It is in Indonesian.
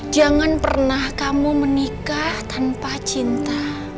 jangan pernah kamu menikah tanpa cinta